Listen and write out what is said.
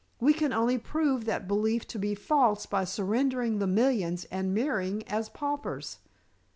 We can only prove that belief to be false by surrendering the millions and marrying as paupers."